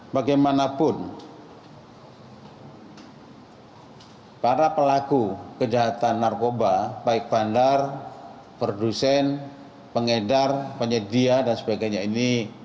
bagaimanapun para pelaku kejahatan narkoba baik bandar produsen pengedar penyedia dan sebagainya ini